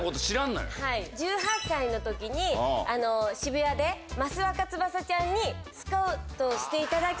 １８歳の時に渋谷で益若つばさちゃんにスカウトしていただき。